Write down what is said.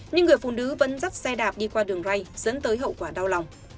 nhưng người phụ nữ vẫn dắt xe đạp đi qua đường ray dẫn tới hậu quả đau lòng